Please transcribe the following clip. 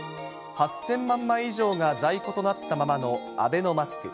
８０００万枚以上が在庫となったままのアベノマスク。